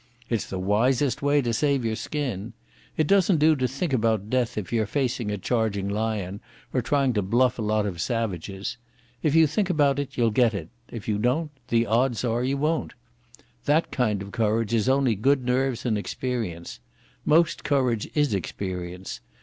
It's the wisest way to save your skin. It doesn't do to think about death if you're facing a charging lion or trying to bluff a lot of savages. If you think about it you'll get it; if you don't, the odds are you won't. That kind of courage is only good nerves and experience.... Most courage is experience.